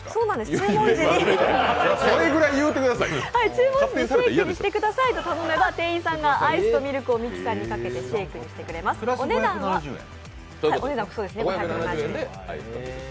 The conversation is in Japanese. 注文時にシェークにしてくださいと頼めば店員さんがアイスとミルクをミキサーにかけてシェークにしてくれます。